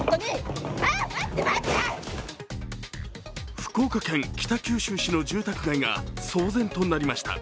福岡県北九州市の住宅街が騒然となりました。